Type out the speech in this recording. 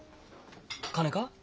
金か？